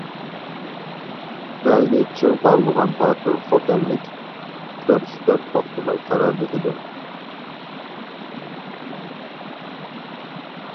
بەلنى چىڭ باغلىغان باتۇر خوتەنلىك، كۆرسىتەر توختىماي كارامىتىنى.